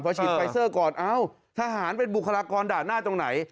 พอฉีดไฟเซอร์ก่อนเอ้าทหารเป็นบุคลากรด่านหน้าตรงไหน